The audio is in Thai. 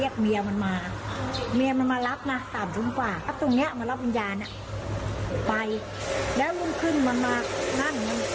กำลังรับวิญญาณไปแล้วลุ่มขึ้นมามากนั่ง